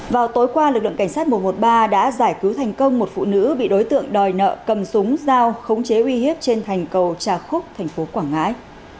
vào tối qua lực lượng cảnh sát một trăm một mươi ba đã giải cứu thành công một phụ nữ bị đối tượng đòi nợ cầm súng dao khống chế uy hiếp trên thành cầu trà khúc thành phố quảng ngãi